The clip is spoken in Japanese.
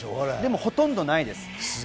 ほとんどないです。